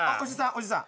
おじさん。